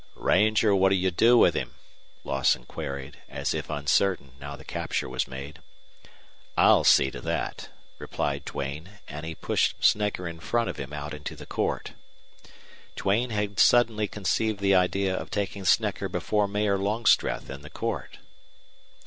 "Ranger, what'll you do with him?" Lawson queried, as if uncertain, now the capture was made. "I'll see to that," replied Duane, and he pushed Snecker in front of him out into the court. Duane had suddenly conceived the idea of taking Snecker before Mayor Longstreth in the court.